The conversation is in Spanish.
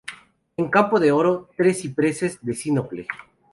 En campo de oro, tres cipreses de sínople.